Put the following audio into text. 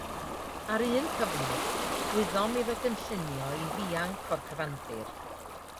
Ar un cyfnod, gwyddom iddo gynllunio i ddianc o'r cyfandir.